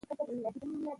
په ناجوړتيا کې کار مه کوه